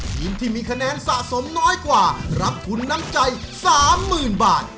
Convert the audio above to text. ทีมที่มีคะแนนสะสมน้อยกว่ารับทุนน้ำใจ๓๐๐๐บาท